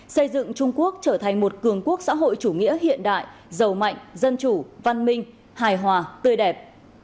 xây dựng trung quốc trở thành một cường quốc xã hội chủ nghĩa hiện đại giàu mạnh dân chủ văn minh hài hòa tươi đẹp